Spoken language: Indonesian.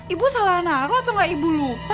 ibu salah naro atau gak ibu lupa